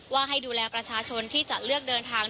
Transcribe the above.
ให้ดูแลประชาชนที่จะเลือกเดินทาง